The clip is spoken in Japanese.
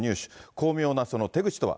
巧妙なその手口とは。